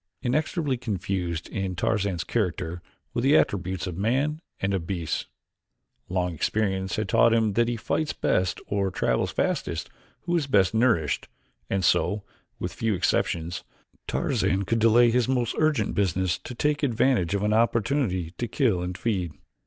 Inextricably confused in Tarzan's character were the attributes of man and of beasts. Long experience had taught him that he fights best or travels fastest who is best nourished, and so, with few exceptions, Tarzan could delay his most urgent business to take advantage of an opportunity to kill and feed.